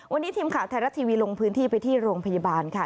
วันนี้ทีมข่าวไทยรัฐทีวีลงพื้นที่ไปที่โรงพยาบาลค่ะ